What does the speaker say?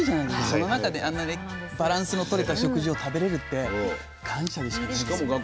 その中であんなにバランスのとれた食事を食べれるって感謝しかないですよね。